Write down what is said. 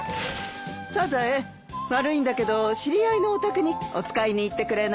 サザエ悪いんだけど知り合いのお宅にお使いに行ってくれないかい？